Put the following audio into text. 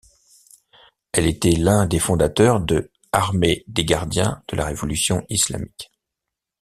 Elle était l'un des fondateurs de Armée des Gardiens de la Révolution Islamique.